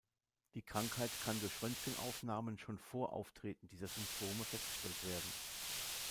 Die Krankheit kann durch Röntgenaufnahmen schon vor Auftreten dieser Symptome festgestellt werden.